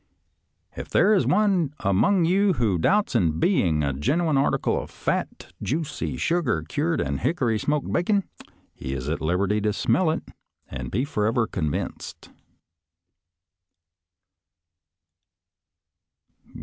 " If there is one among you who doubts its being a genuine article of fat, juicy, sugar cured, and hickory smoked bacon, he is at liberty to smell it and be forever convinced."